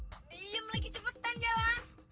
diam lagi cepetan jawa